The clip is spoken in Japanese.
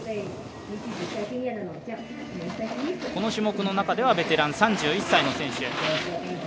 この種目の中ではベテラン、３１歳の選手。